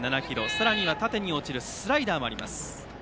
さらには縦に落ちるスライダーもあります。